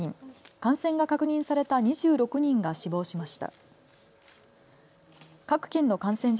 感染が確認された２６人が死亡しました。